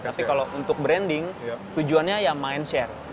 tapi kalau untuk branding tujuannya ya mind share